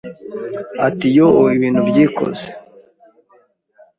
Ati yoo ibintu byikoze